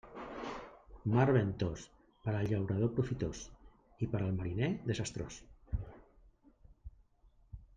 Març ventós, per al llaurador profitós i per al mariner desastrós.